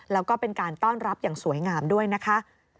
แล้วก็เป็นการต้อนรับอย่างสวยงามด้วยนะคะ